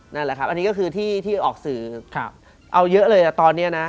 นั่นแหละครับอันนี้ก็คือที่ออกสื่อเอาเยอะเลยตอนนี้นะ